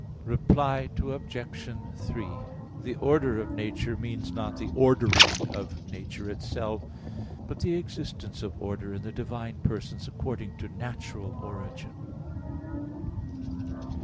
Reply Obj. 3: The order of nature means not the ordering of nature itself, but the existence of order in the divine Persons according to natural origin.